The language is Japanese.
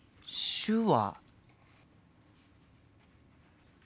手話。